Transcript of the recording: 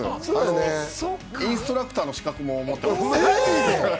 インストラクターの資格も持っています。